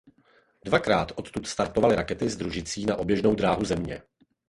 Dvakrát odtud startovaly rakety s družicí na oběžnou dráhu Země.